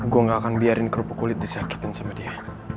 gua nggak akan biarin kerupuk kulit disakitin sama dia